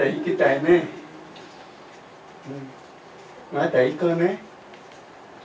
また行こうね。